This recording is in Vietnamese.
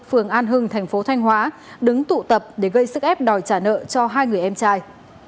phường an hưng thành phố thanh hóa đứng tụ tập để gây sức ép đòi trả nợ cho hai người em trai